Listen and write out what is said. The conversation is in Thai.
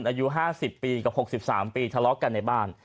อายุ๕๐ปีกับ๖๓ปีทะเลาะกันในบ้าน